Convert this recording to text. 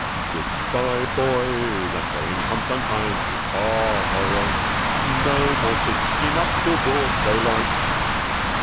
Good bye, boys! I'm going from sunshine to sorrow. No more sitting up till broad daylight.